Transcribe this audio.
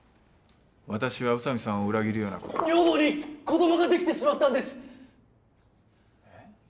私は宇佐美さんを裏切るようなことは女房に子供ができてしまったんですえッ？